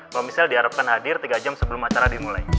mbak michelle diharapkan hadir tiga jam sebelum acara dimulai